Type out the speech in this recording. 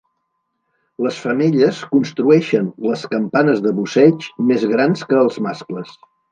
Les femelles construeixen les campanes de busseig més grans que els mascles.